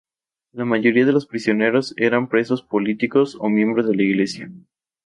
La mayoría de los prisioneros eran presos políticos o miembros de la iglesia.